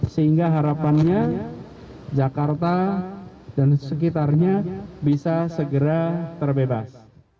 sehingga harapannya jakarta dan sekitarnya bisa segera terbebas